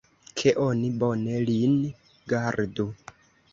Ke oni bone lin gardu!